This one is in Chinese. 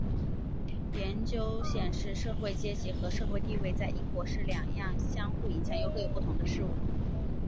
研究显示社会阶级和社会地位在英国是两样相互影响又各有不同的事物。